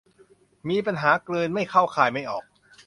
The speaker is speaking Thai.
มีปัญหากลืนไม่เข้าคายไม่ออก